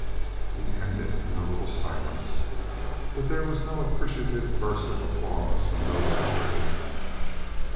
He ended in a little silence. But there was no appreciative burst of applause from those who heard him.